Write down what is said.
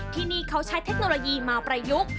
ที่นี่เขาใช้เทคโนโลยีมาประยุกต์